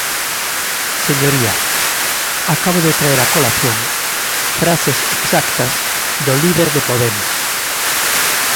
Señoría, acabo de traer a colación frases exactas do líder de Podemos.